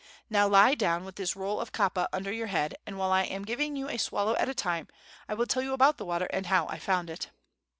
Now lie down, with this roll of kapa under your head, and while I am giving you a swallow at a time I will tell you all about the water and how I found it."